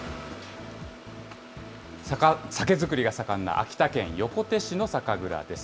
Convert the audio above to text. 酒造りが盛んな秋田県横手市の酒蔵です。